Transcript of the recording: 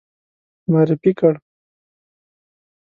معرفي کړ.